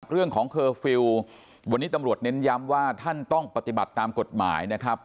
เคอร์ฟิลล์วันนี้ตำรวจเน้นย้ำว่าท่านต้องปฏิบัติตามกฎหมายนะครับ